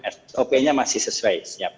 sop nya masih sesuai